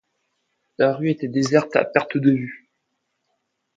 La rue était déserte à perte de vue.